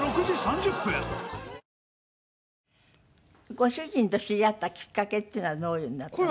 ご主人と知り合ったきっかけっていうのはどういうのだったんですか？